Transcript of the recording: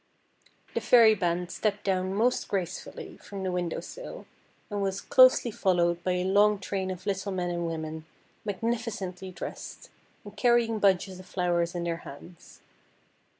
The Fairy band stepped down most gracefully from the window sill, and was closely followed by a long train of little men and women magnificently dressed, and carrying bunches of flowers in their hands.